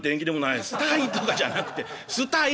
「すたいとかじゃなくてスタイ！」